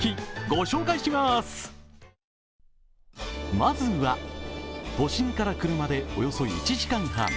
まずは都心から車でおよそ１時間半。